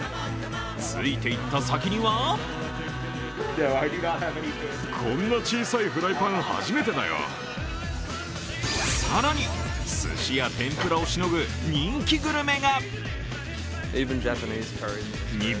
ついていった先には更にすしや天ぷらをしのぐ人気グルメが。